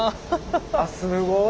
あっすごい。